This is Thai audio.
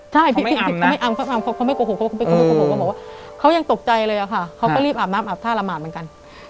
ใช่พี่เขาไม่อำเขาอำเขาไม่โกหกเขาก็บอกว่าเขายังตกใจเลยอะค่ะเขาก็รีบอาบน้ำอาบท่าละหมาดเหมือนกัน